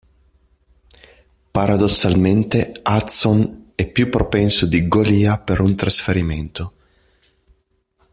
Paradossalmente Hudson è più propenso di Golia per un trasferimento.